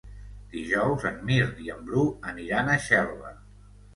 Dijous en Mirt i en Bru aniran a Xelva.